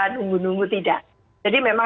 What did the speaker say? nunggu nunggu tidak jadi memang